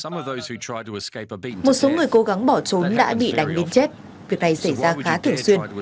một số người cố gắng bỏ trốn đã bị đánh đến chết việc này xảy ra khá thường xuyên